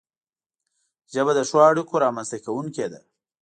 ژبه د ښو اړیکو رامنځته کونکی ده